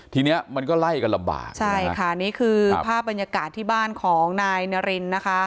เนี้ยมันก็ไล่กันลำบากใช่ค่ะนี่คือภาพบรรยากาศที่บ้านของนายนารินนะคะ